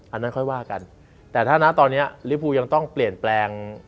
อันนั้นค่อยว่ากันแต่ถ้านะตอนนี้ลิภูยังต้องเปลี่ยนแปลง